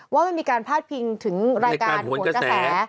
ว่ามันมีการพาดพิงถึงรายการห่วงกระแส